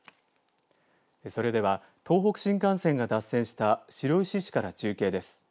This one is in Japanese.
それでは、東北新幹線が脱線した白石市から中継です。